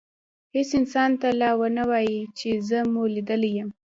هیڅ انسان ته لا ونه وایئ چي زه مو لیدلی یم.